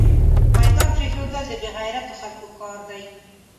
ميدان پريښودل دبې غيرتو خلکو کار ده